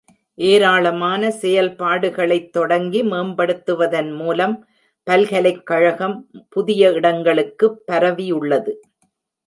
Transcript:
ஏராளமான செயல்பாடுகளைத் தொடங்கி மேம்படுத்துவதன் மூலம் பல்கலைக்கழகம் புதிய இடங்களுக்கு பரவியுள்ளது.